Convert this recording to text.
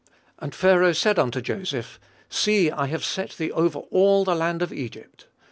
And Pharaoh said unto Joseph, See, I have set thee over all the land of Egypt.